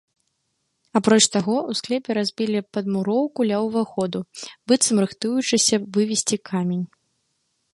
Апроч таго, у склепе разбілі падмуроўку ля ўваходу, быццам рыхтуючыся вывезці камень.